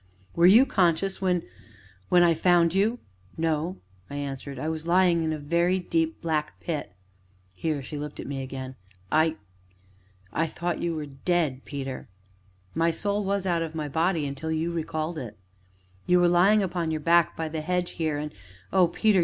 "Were you conscious when when I found you?" "No," I answered; "I was lying in a very deep, black, pit." Here she looked at me again. "I I thought you were dead, Peter." "My soul was out of my body until you recalled it." "You were lying upon your back, by the hedge here, and oh, Peter!